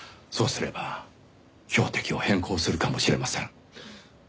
そうすれば標的を変更するかもしれません。